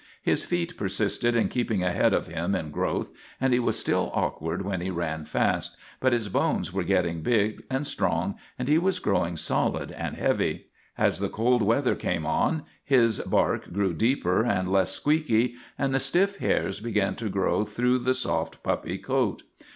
His feet persisted in keeping ahead of him in growth, and he was still awkward when he ran fast, but his bones were getting big and strong and he was growing solid and heavy. As the cold weather came on his bark grew deeper and less squeaky and the stiff hairs began to show through the soft puppy coat.